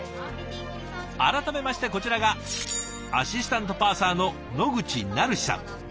改めましてこちらがアシスタントパーサーの野口愛陽さん。